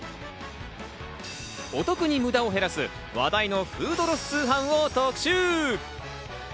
お得にむだを減らす話題のフードロス通販を特集。